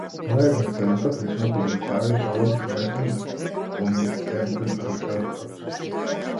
Тоа е единствената причина поради која жалам што не сум омнисцентен раскажувач.